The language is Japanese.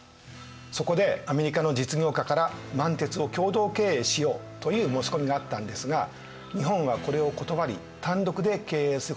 そこでアメリカの実業家から「満鉄を共同経営しよう」という申し込みがあったんですが日本はこれを断り単独で経営することになりました。